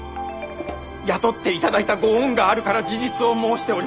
雇っていただいたご恩があるから事実を申しております。